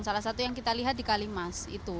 salah satu yang kita lihat di kalimas itu